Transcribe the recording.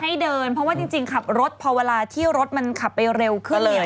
ให้เดินเพราะว่าจริงขับรถพอเวลาที่รถมันขับไปเร็วขึ้นเนี่ย